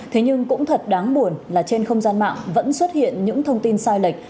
thế nhưng cũng thật đáng buồn là trên không gian mạng vẫn xuất hiện những thông tin sai lệch